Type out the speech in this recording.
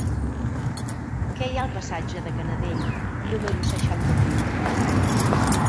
Què hi ha al passatge de Canadell número seixanta-vuit?